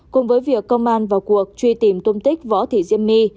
cùng với việc công an vào cuộc truy tìm tùm tích võ thủy diễm my